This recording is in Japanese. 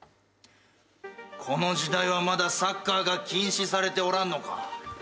この時代はまだサッカーが禁止されておらんのか。